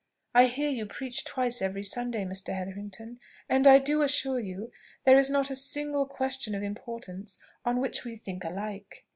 I hear you preach twice every Sunday, Mr. Hetherington, and I do assure you there is not a single question of importance on which we think alike."